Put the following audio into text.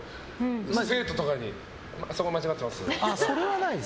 生徒とかにそこ間違ってますみたいな。